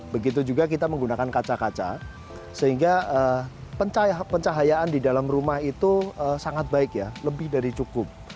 begitu juga kita menggunakan kaca kaca sehingga pencahayaan di dalam rumah itu sangat baik ya lebih dari cukup